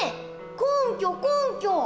根拠根拠。